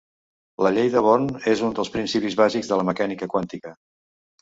La llei de Born és un dels principis bàsics de la mecànica quàntica.